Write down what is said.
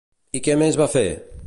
I què més va fer?